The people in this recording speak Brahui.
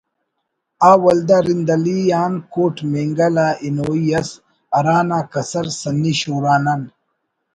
آ ولدا رند علی آن کوٹ مینگل آ ہنوئی ئس ہرانا کسر سنی شوران آن